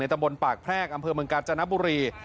ตะบนปากแพรกอำเภอเมืองกาญจนบุรี